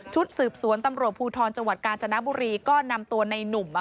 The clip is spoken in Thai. ชุดสืบสวนตำรวจภูทรจกาญจนบุรีก็นำตัวในนุ่ม